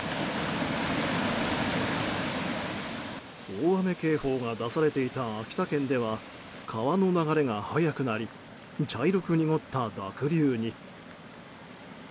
大雨警報が出されていた秋田県では川の流れが速くなり茶色く濁った濁流に。